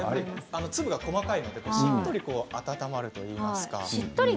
粒が細かいのでしっとり温まるというか。